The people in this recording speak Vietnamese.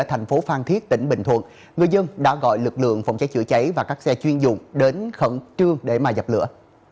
thành phố phan thiết tỉnh bình thuận người dân đã gọi lực lượng phòng cháy chữa cháy và các xe chuyên dụng đến khẩn trương để mà dập lửa